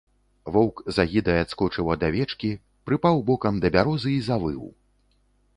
Воўк з агідай адскочыў ад авечкі, прыпаў бокам да бярозы і завыў.